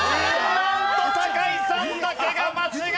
なんと酒井さんだけが間違えた！